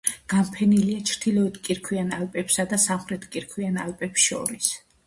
განფენილია ჩრდილოეთ კირქვიან ალპებსა და სამხრეთ კირქვიან ალპებს შორის.